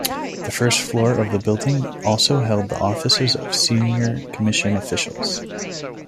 The first floor of the building also held the offices of senior Commission officials.